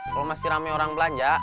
kalau masih rame orang belanja